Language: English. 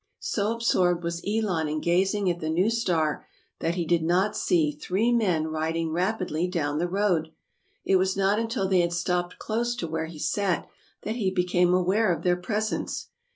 So absorbed was Elon in gazing at the new star, that he did not see three men riding rap idly down the road. It was not until they had stopped close to where he sat that he be came aware of their presence.